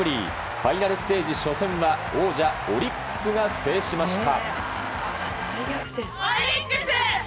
ファイナルステージ初戦は王者オリックスが制しました。